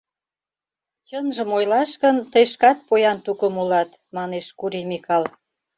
Чынжым ойлаш гын, тый шкат поян тукым улат, — манеш Кури Микал.